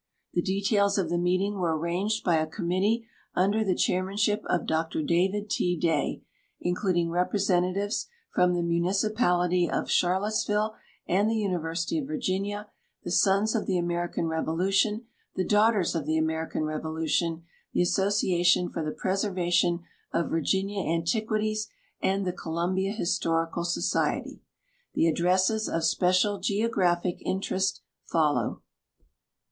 The details of the meeting were arranged by a committee under the chairmanship of Dr David T. Day, including representatives from the municipality of Charlottesville and the University of Virginia, the Sons of the American Revolution, the Daughters of the American Revolution, the Association for the Preservation of Virginia Antiquities, and the Columbia Historical Society. The addresses of special geographic interest follow.